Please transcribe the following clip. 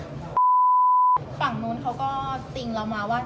ฝั่งนู้นเขาก็ติ่งเรามาว่า